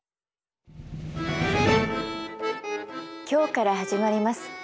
今日から始まります